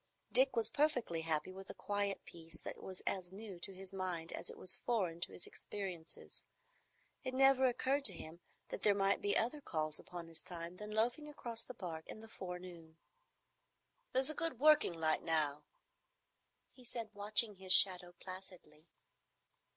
Dick was perfectly happy with a quiet peace that was as new to his mind as it was foreign to his experiences. It never occurred to him that there might be other calls upon his time than loafing across the Park in the forenoon. "There's a good working light now," he said, watching his shadow placidly.